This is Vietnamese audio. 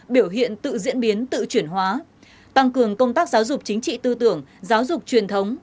biểu hiện tự diễn biến tự chuyển hóa tăng cường công tác giáo dục chính trị tư tưởng giáo dục truyền thống